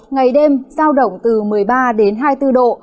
ngày đêm giao động từ một mươi ba đến hai mươi bốn độ